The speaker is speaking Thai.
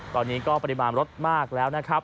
ตอนนี้ก็ปริมาณรถมากแล้วนะครับ